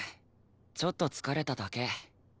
ちょっと疲れただけ。